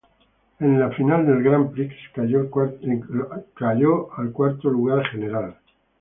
En la final del Grand Prix, cayó al cuarto lugar general.